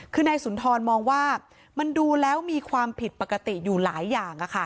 คือนายสุนทรมองว่ามันดูแล้วมีความผิดปกติอยู่หลายอย่าง